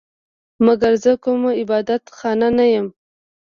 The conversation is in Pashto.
مګر زه کومه عبادت خانه نه یم